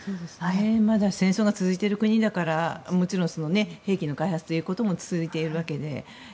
まだ戦争が続いている国だからもちろん、兵器の開発ということも続いているわけで。